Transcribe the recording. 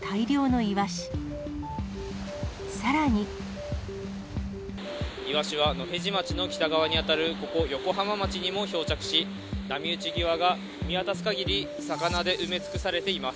イワシは野辺地町の北側に当たるここ、横浜町にも漂着し、波打ち際が見渡すかぎり魚で埋め尽くされています。